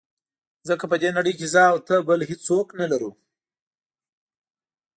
ځکه په دې نړۍ کې زه او ته بل هېڅوک نه لرو.